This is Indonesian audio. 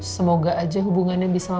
semoga aja hubungannya bisa